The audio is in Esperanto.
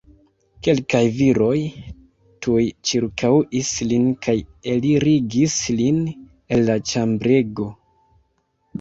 Kelkaj viroj tuj ĉirkaŭis lin kaj elirigis lin el la ĉambrego.